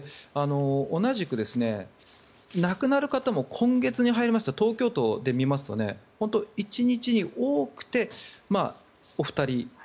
同じく亡くなる方も今月に入りますと東京都で見ますと本当１日に多くてお二人。